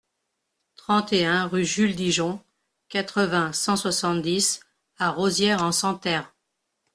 trente et un rue Jules Digeon, quatre-vingts, cent soixante-dix à Rosières-en-Santerre